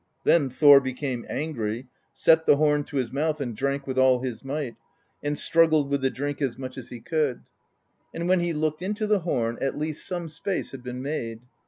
Then Thor became angry, set the horn to his mouth, and drank with all his might, and struggled with the drink as much as he could; and when he looked into the horn, at least some space had been made.